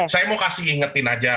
saya mau kasih ingetin aja